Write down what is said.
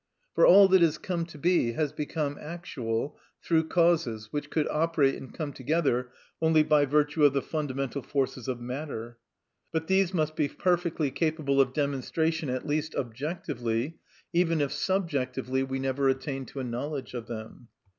For all that has come to be has become actual through causes, which could operate and come together only by virtue of the fundamental forces of matter. But these must be perfectly capable of demonstration at least objectively, even if subjectively we never attain to a knowledge of them.